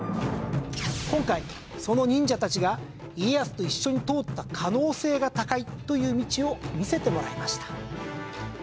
今回その忍者たちが家康と一緒に通った可能性が高いという道を見せてもらいました。